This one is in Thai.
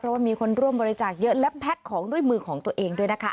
เพราะว่ามีคนร่วมบริจาคเยอะและแพ็คของด้วยมือของตัวเองด้วยนะคะ